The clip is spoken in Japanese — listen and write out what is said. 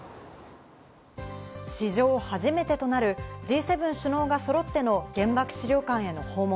史上初めてとなるＧ７首脳が揃っての原爆資料館への訪問。